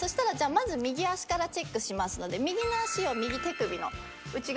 まず右足からチェックしますので右の足を右手首の内側にトンと。